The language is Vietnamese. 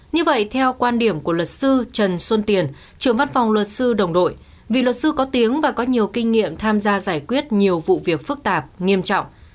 như vậy theo quan điểm của luật sư trần xuân tiền trưởng văn phòng luật sư đồng đội vì luật sư có tiếng và có nhiều kinh nghiệm tham gia giải quyết nhiều vụ việc phức tạp nghiêm trọng